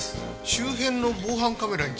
周辺の防犯カメラについては？